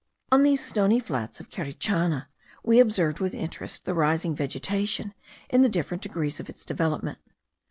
On these stony flats of Carichana we observed with interest the rising vegetation in the different degrees of its development.